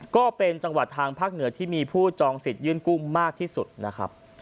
ก็เป็นจังหวัดทางภาคเหนือที่มีผู้จองสิทธิยื่นกู้มากที่สุดนะครับ